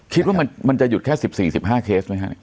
คิดว่ามันจะหยุดแค่สิบสี่สิบห้าเคสไหมครับ